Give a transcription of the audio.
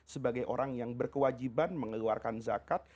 sebagai orang yang berkewajiban mengeluarkan zakat